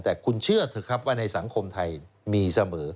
แต่คุณเชื่อเถอะครับว่าในสังคมไทยมีเสมอ